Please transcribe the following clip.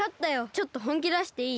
ちょっとほんきだしていい？